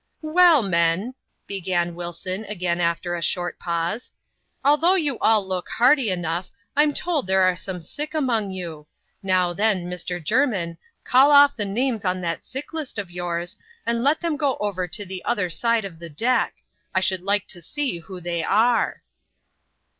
" Well, men," began Wilson again after a short pause, " al though you all look hearty enough, I'm told there are some sick iunong you. Now then, Mr. Jermin, call off the names on that sick list of yours, and let them go over to the other side of the deck — I should like to see who they are."